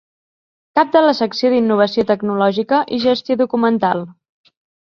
Cap de la Secció d'Innovació Tecnològica i Gestió Documental.